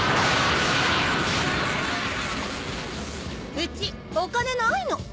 うちお金ないの。